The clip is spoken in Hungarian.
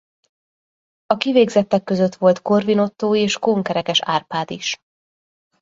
A kivégzettek között volt Korvin Ottó és Kohn-Kerekes Árpád is.